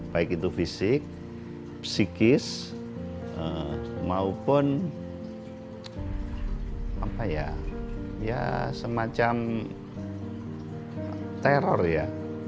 baik itu fisik psikis maupun semacam teror ya